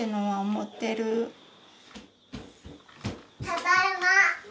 ただいま。